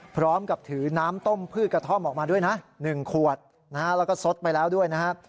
พร้อมกับถือน้ำต้มพืชกระท่อมออกมาด้วยนะนึงขวดเราซดไปแล้วด้วยนะฮะ